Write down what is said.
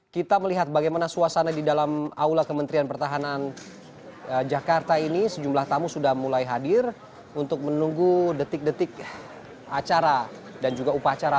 kita melihat bagaimana suasana di dalam aula kementerian pertahanan jakarta ini sejumlah tamu sudah mulai hadir untuk menunggu detik detik acara dan juga upacara